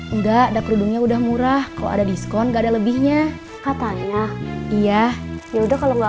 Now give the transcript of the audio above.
udah ada kerudungnya udah murah kalau ada diskon gak ada lebihnya ya katanya ya yaudah kalau enggak